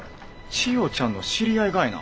千代ちゃんの知り合いかいな。